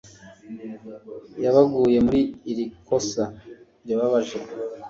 y'abaguye muri iri kosa ribabaje